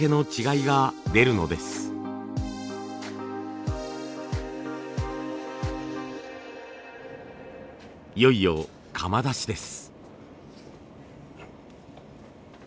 いよいよ窯出しです。